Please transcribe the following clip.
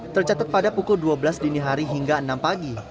tercatat pada pukul dua belas dini hari hingga enam pagi